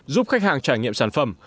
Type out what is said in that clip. giúp khách hàng trải nghiệm sản phẩm